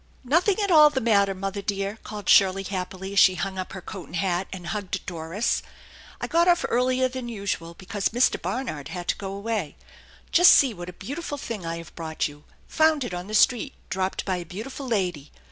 " Nothing at all the matter, mother dear !" called Shirley happily as she hung up her coat and hat, and hugged Doris. SO THE ENCHANTED BARN " I got off earlier than usual because Mr. Barnard had to go away. Just see what a beautiful thing I have brought you found it on the street, dropped by a beautiful lady.